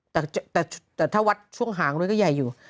แต่ถ้าวัดช่วงหางด้วยก็ใหญ่อยู่